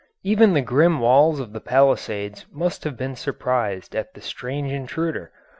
Even the grim walls of the Palisades must have been surprised at the strange intruder.